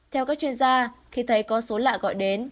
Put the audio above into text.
theo các chuyên gia khi thấy có số lạ gọi đến